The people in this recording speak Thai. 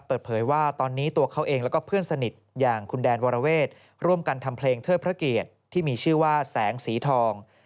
เปิดเผยว่าตอนนี้ตัวเขาเองแล้วก็เพื่อนสนิทอย่างคุณแดนวรเวทร่วมกันทำเพลงเทิดพระเกียรติที่มีชื่อว่าแสงสีทอง